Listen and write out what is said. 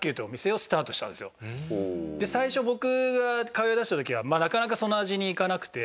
最初僕が通いだした時はなかなかその味にいかなくて。